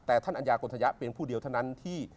แต่ท่านอัญญากลธยะเป็นผู้เดียวเท่านั้นที่